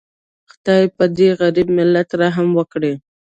خدایه پدې غریب ملت رحم وکړي